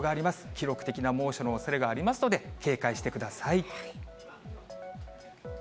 記録的な猛暑のおそれがありますので、警戒してください。